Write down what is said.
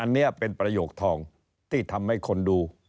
อันนี้เป็นประโยคทองที่ทำให้คนดู